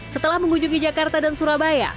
setelah mengunjungi jakarta dan surabaya